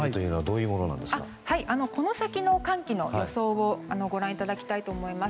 この先の寒気の予想をご覧いただきたいと思います。